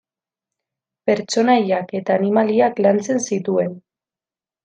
Pertsonaiak eta animaliak lantzen zituen.